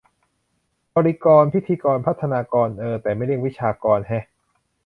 บริกร พิธีกร พัฒนากร เออ แต่ไม่เรียก วิชากร แฮะ